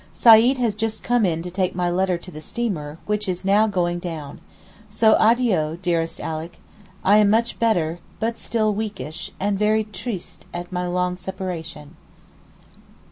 Seyd has just come in to take my letter to the steamer which is now going down. So addio, dearest Alick. I am much better but still weakish, and very triste at my long separation.